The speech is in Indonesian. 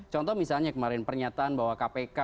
contoh misalnya kemarin pernyataan bahwa kpk